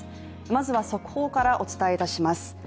まずは速報からお伝えいたします。